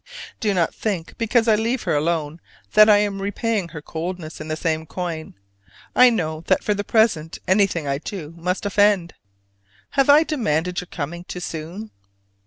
Do not think, because I leave her alone, that I am repaying her coldness in the same coin. I know that for the present anything I do must offend. Have I demanded your coming too soon?